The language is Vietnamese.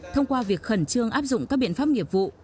thông qua việc khẩn trương áp dụng các biện pháp nghiệp vụ